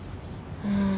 うん。